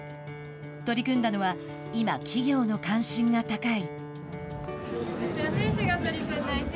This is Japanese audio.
取り組んだのは今、企業の関心が高い。